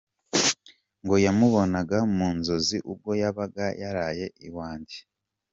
Ngo yamubonaga mu nzozi ubwo yabaga yaraye iwanjye.